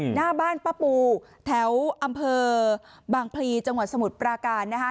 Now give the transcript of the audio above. หน้าบ้านป้าปูแถวอำเภอบางพลีจังหวัดสมุทรปราการนะคะ